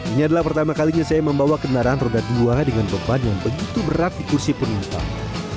ini adalah pertama kalinya saya membawa kendaraan roda dua dengan beban yang begitu berat di kursi penumpang